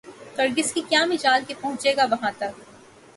کرگس کی کیا مجال کہ پہنچے گا وہاں تک